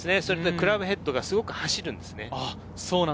クラブヘッドがすごく走るんですね。